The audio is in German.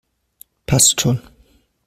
Passt schon!